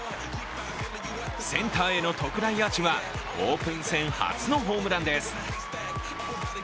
センターへの特大アーチはオープン戦初のホームランです。